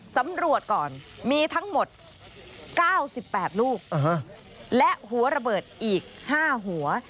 สำรวจก่อนมีทั้งหมด๙๘ลูกและหัวระเบิดอีก๕หัว